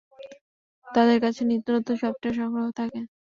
তাদের কাছে নিত্য নতুন সফটওয়্যারের সংগ্রহ থাকে।